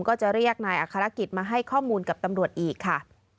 ก็จะเรียกนายอัครกิจมาให้ข้อมูลกับตำรวจอีกค่ะ